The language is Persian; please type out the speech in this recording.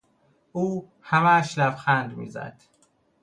او همهاش لبخند میزد.